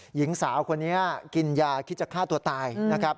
หญิงสาวคนนี้กินยาคิดจะฆ่าตัวตายนะครับ